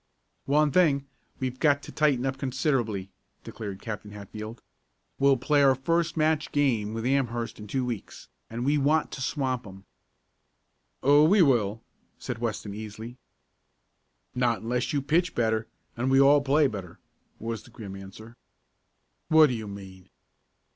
"One thing we've got to tighten up considerably," declared Captain Hatfield. "We'll play our first match game with Amherst in two weeks, and we want to swamp 'em." "Oh, we will," said Weston easily. "Not unless you pitch better and we all play better," was the grim answer. "What do you mean?"